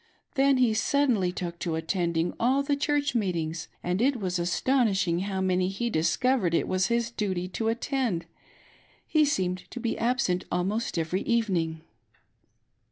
Then he suddenly took to attending all the Church meetings, and it was astonishing how many he discovered it was his duty to attend, he seemed to be absent almost every evening.